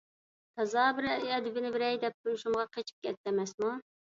تازا بىر ئەدىپىنى بېرەي دەپ تۇرۇشۇمغا قېچىپ كەتتى ئەمەسمۇ؟